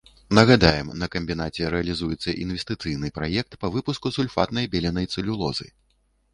Нагадаем, на камбінаце рэалізуецца інвестыцыйны праект па выпуску сульфатнай беленай цэлюлозы.